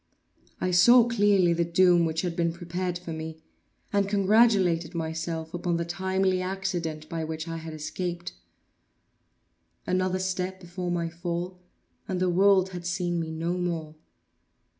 I saw clearly the doom which had been prepared for me, and congratulated myself upon the timely accident by which I had escaped. Another step before my fall, and the world had seen me no more.